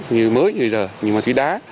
như mới như giờ như ma túy đá